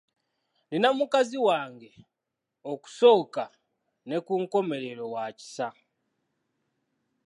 Nina mukazi wange; okusooka ne ku nkomerero wa kisa.